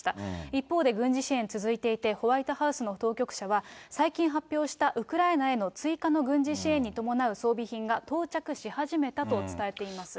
一方で、軍事支援、続いていて、ホワイトハウスの当局者は最近発表したウクライナへの追加の軍事支援に伴う装備品が到着し始めたと伝えています。